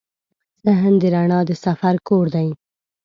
ذهن د رڼا د سفر کور دی.